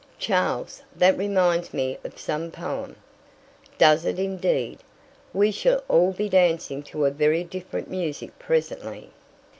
"Charles, that reminds me of some poem." "Does it indeed? We shall all be dancing to a very different music presently.